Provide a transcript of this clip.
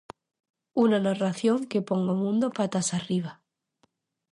Unha narración que pon o mundo patas arriba.